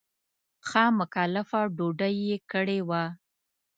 ښه مکلفه ډوډۍ یې کړې وه.